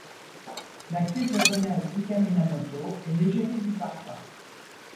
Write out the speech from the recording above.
L'actrice japonaise Lika Minamoto est l'égérie du parfum.